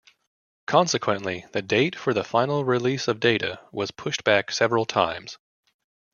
Consequently, the date for the final release of data was pushed back several times.